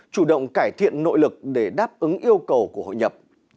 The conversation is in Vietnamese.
chủ động cải thiện nội lực để đáp ứng yêu cầu của hội nhập